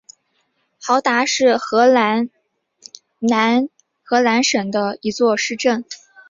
豪达是荷兰南荷兰省的一座市镇。